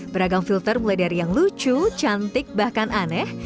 beragam filter mulai dari yang lucu cantik bahkan aneh